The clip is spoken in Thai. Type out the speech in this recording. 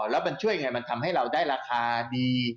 แล้วมันช่วยไงมันทำให้เราได้ราคาดี